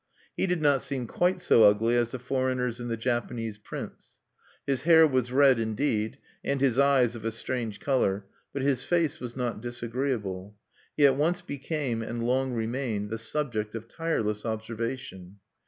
He did not seem quite so ugly as the foreigners in the Japanese prints: his hair was red, indeed, and his eyes of a strange color; but his face was not disagreeable. He at once became, and long remained, the subject of tireless observation.